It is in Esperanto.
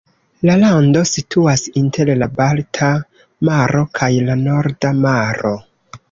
La lando situas inter la Balta maro kaj la Norda Maro.